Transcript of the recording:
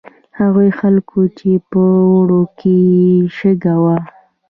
هغو خلکو چې په اوړو کې یې شګه وه.